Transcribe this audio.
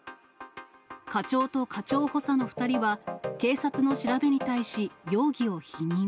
課長と課長補佐の２人は、警察の調べに対し、容疑を否認。